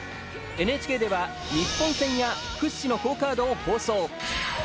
ＮＨＫでは日本戦や屈指の好カードを放送。